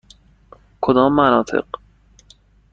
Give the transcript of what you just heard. کدام مناطق؟